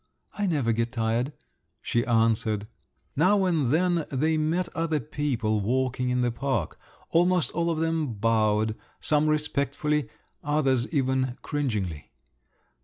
"I never get tired," she answered. Now and then they met other people walking in the park; almost all of them bowed—some respectfully, others even cringingly.